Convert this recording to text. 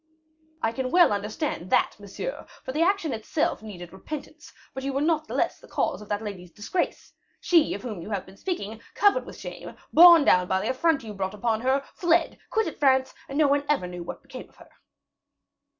"I can well understand that, monsieur, for the action itself needed repentance; but you were not the less the cause of that lady's disgrace. She, of whom you have been speaking, covered with shame, borne down by the affront you brought upon her, fled, quitted France, and no one ever knew what became of her."